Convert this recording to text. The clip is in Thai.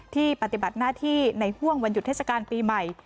ปฏิบัติหน้าที่ในห่วงวันหยุดเทศกาลปีใหม่